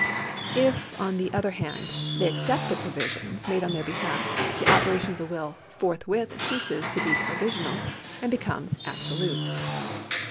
If, on the other hand, they accept the provisions made on their behalf, the operation of the will forthwith ceases to be provisional and becomes absolute.